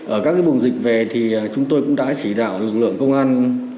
ở các vùng dịch về thì chúng tôi cũng đã chỉ đạo lực lượng công an